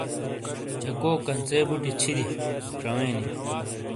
جَکو کَنژے بُوٹے چھِیدے چَوے نی۔